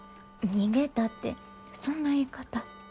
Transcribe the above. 逃げたってそんな言い方。